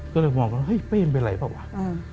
ก็เลยมองว่าเฮ้ยเป้มันเป็นไรเปล่าวะ